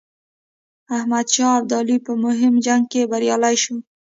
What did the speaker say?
احمدشاه ابدالي په مهم جنګ کې بریالی شو.